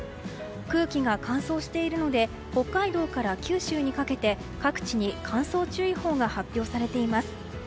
空気が乾燥しているので北海道から九州にかけて各地に乾燥注意報が発表されています。